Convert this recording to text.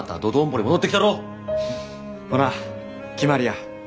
ほな決まりや。